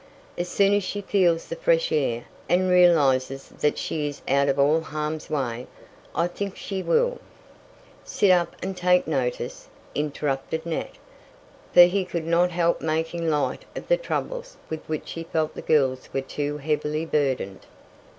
"As soon as she feels the fresh air, and realizes that she is out of all harm's way, I think she will " "Sit up and take notice," interrupted Nat, for he could not help making light of the troubles with which he felt the girls were too heavily burdened.